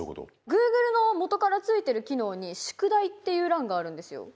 Ｇｏｏｇｌｅの元からついてる機能に宿題っていう欄があるんですよ